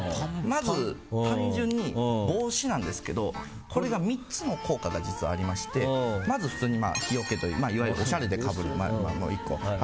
まず単純に帽子なんですけどこれが３つの効果が実はありましてまずは普通に日よけというかおしゃれでかぶるのが１個。